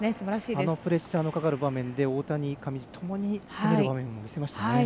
あのプレッシャーのかかる場面で、大谷、上地ともに攻めていましたね。